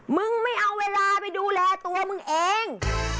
มึงไม่เอาเวลาไปดูแลตัวมึงเอง